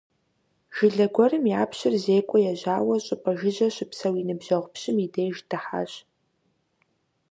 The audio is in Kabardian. Жылэ гуэрым япщыр зекӀуэ ежьауэ щӏыпӏэ жыжьэ щыпсэу и ныбжьэгъу пщым и деж дыхьащ.